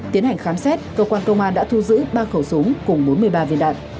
tiến hành khám xét cơ quan công an đã thu giữ ba khẩu súng cùng bốn mươi ba viên đạn